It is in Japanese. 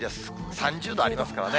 ３０度ありますからね。